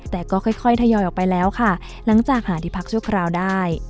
แต่ก็ค่อยทยอยออกไปแล้วค่ะหลังจากหาที่พักชั่วคราวได้